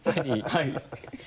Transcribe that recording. はい。